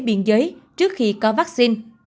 biên giới trước khi có vaccine